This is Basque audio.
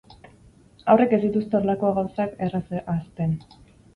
Haurrek ez dituzte horrelako gauzak erraz ahazten.